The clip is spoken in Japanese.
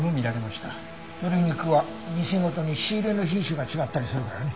鶏肉は店ごとに仕入れの品種が違ったりするからね。